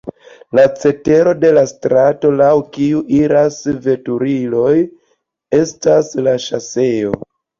La cetero de la strato, laŭ kiu iras veturiloj estas la ŝoseo.